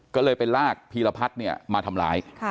ก็เลยไปลากพีรพัฒน์มาทำร้าย